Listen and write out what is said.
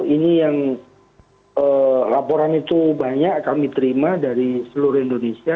ini yang laporan itu banyak kami terima dari seluruh indonesia